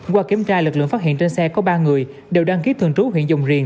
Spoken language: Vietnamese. qua kiểm tra lực lượng phát hiện trên xe có ba người đều đăng ký thường trú huyện dùng riêng